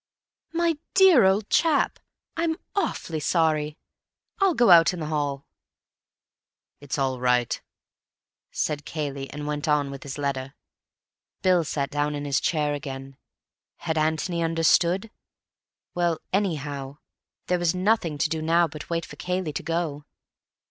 "My dear old chap, I'm awfully sorry. I'll go out in the hall." "It's all right," said Cayley, and went on with his letter. Bill sat down in his chair again. Had Antony understood? Well, anyhow, there was nothing to do now but wait for Cayley to go.